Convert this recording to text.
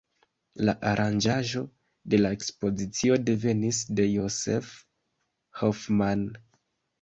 La aranĝaĵo de la ekspozicio devenis de Josef Hoffmann.